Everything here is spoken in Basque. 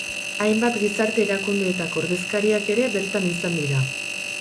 Hainbat gizarte erakundeetako ordezkariak ere bertan izan dira.